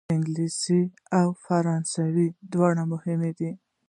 انګلیسي او فرانسوي دواړه مهمې دي.